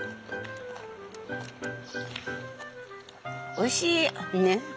おいしい！ね。